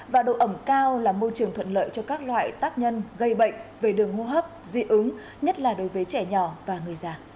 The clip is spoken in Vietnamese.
và độ ẩm cao là môi trường thuận lợi cho các loại tác nhân gây bệnh về đường hô hấp dị ứng nhất là đối với trẻ nhỏ và người già